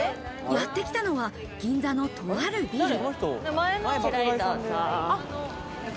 やってきたのは銀座のとあるビル。